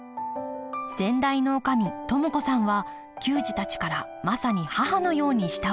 先代の女将智子さんは球児たちからまさに母のように慕われていたそうです